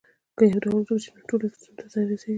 که یو ډول ورک شي نو ټول ایکوسیستم ته زیان رسیږي